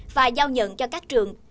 và giao nhận cho các trường